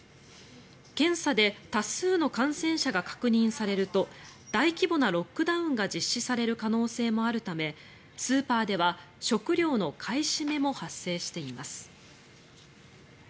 検査で多数の感染者が確認されると大規模なロックダウンが実施される可能性もあるためスーパーでは食料の買い占めも発生しています。